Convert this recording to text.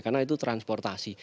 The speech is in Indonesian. karena itu transportasi